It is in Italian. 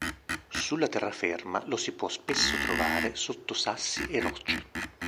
Sulla terraferma lo si può spesso trovare sotto sassi e rocce.